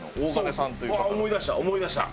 思い出した！